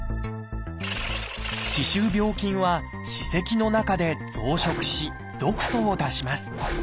歯周病菌は歯石の中で増殖し毒素を出します。